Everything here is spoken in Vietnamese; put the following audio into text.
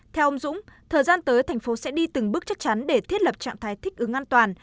theo ông dũng thời gian tới thành phố sẽ đi từng bước chắc chắn để thiết lập trạng thái thích ứng an toàn